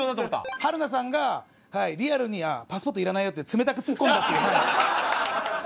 春菜さんがリアルに「パスポートいらないよ」って冷たくツッコんだっていう。